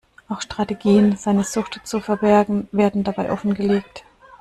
Auch Strategien, seine Sucht zu verbergen, werden dabei offengelegt.